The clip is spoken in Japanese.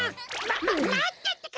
ままってってか！